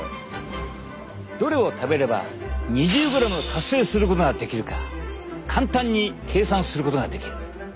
どれを食べれば２０ｇを達成することができるか簡単に計算することができる。